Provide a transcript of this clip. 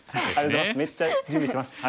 めっちゃ準備してます。